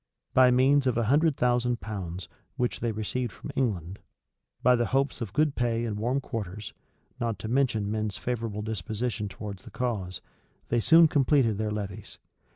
By means of a hundred thousand pounds, which they received from England; by the hopes of good pay and warm quarters; not to mention men's favorable disposition towards the cause; they soon completed their levies.